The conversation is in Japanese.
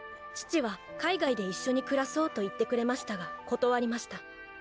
父は海外で一緒に暮らそうと言ってくれましたが断りました。